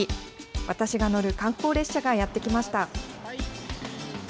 私が乗る観光列車がやって来ました。